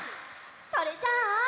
それじゃあ。